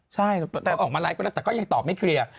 ใช่แต่ออกมาไลฟ์ไปแล้วแต่ก็ยังตอบไม่เคลียร์